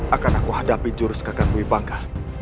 akan aku hadapi jurus kagak berbangga